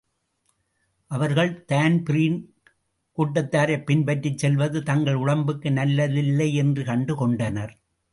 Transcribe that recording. அவர்கள் தான்பிரீன் கூட்டத்தாரைப் பின்பற்றிச் செல்வது தங்கள் உடம்புக்கு நல்லதில்லை என்று கண்டு கொண்டனர்.